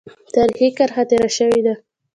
تاریخي کرښه تېره شوې ده.